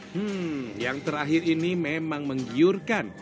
hmm yang terakhir ini memang menggiurkan